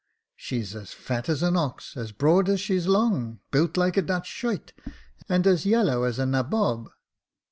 She's as fat as an ox, as broad as she's long, built like a Dutch schuyt, and as yellow as a nabob.'